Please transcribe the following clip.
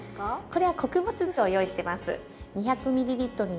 これは穀物酢を用意してます。